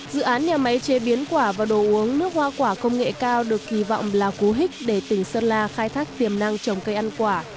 dự án nhà máy chế biến quả và đồ uống nước hoa quả công nghệ cao được kỳ vọng là cú hích để tỉnh sơn la khai thác tiềm năng trồng cây ăn quả